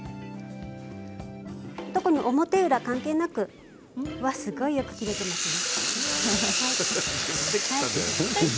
特に表裏関係なくすごいよく切れていますね。